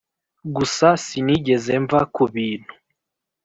gusa sinigeze mva ku bintu.